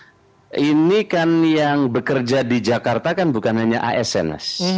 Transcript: iya ini kan yang bekerja di jakarta bukan hanya asn